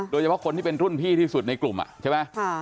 โดยเฉพาะคนที่เป็นรุ่นพี่ที่สุดในกลุ่มใช่ไหม